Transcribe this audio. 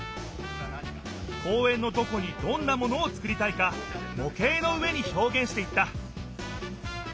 公園のどこにどんなものをつくりたいかもけいの上にひょうげんしていった。